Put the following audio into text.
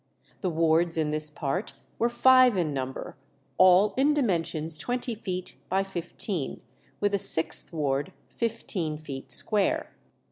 The wards in this part were five in number, all in dimensions twenty feet by fifteen, with a sixth ward fifteen feet square.